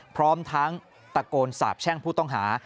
พร้อมทั้งตะโกนสาบแช่งผู้ต้องหา